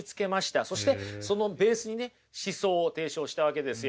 そしてそのベースにね思想を提唱したわけですよ。